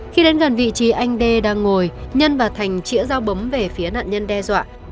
khi đến gần vị trí anh đê đang ngồi nhân và thành chĩa dao bấm về phía nạn nhân đe dọa